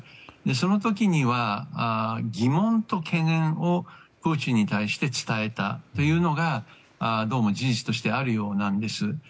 その時には、疑問と懸念をプーチンに対して伝えたというのがどうも事実としてあるようなんです。